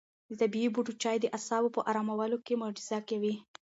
د طبیعي بوټو چای د اعصابو په ارامولو کې معجزه کوي.